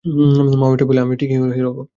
মাও এটাই বলে, আমি ঠিকি হিরো হবো।